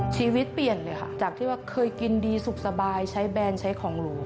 ชีวิตเปลี่ยนเลยค่ะจากที่ว่าเคยกินดีสุขสบายใช้แบรนด์ใช้ของหรู